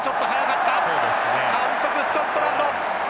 反則スコットランド！